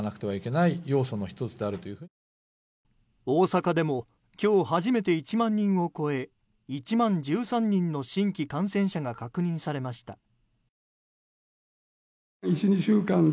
大阪でも今日初めて１万人を超え１万１３人の新規感染者が確認されました。